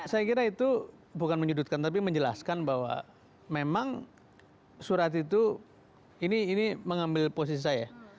saya kira itu bukan menyudutkan tapi menjelaskan bahwa memang surat itu ini mengambil posisi saya